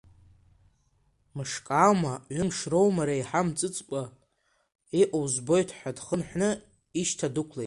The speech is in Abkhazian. Мышк аума, ҩымш роума реиҳа мҵыцкәа, иҟоу збоит ҳәа дхынҳәны, ишьҭра дықәлеит.